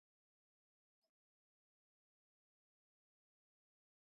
The dominant language in the region is Ewe, closely followed by Twi.